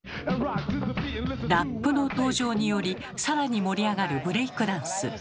ラップの登場により更に盛り上がるブレイクダンス。